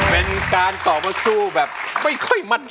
เป็นการตอบมาสู้แบบไม่ค่อยมั่น